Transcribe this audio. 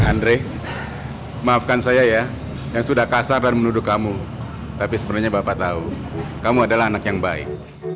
andre maafkan saya ya yang sudah kasar dan menuduh kamu tapi sebenarnya bapak tahu kamu adalah anak yang baik